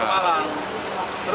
terus nggak pakai masker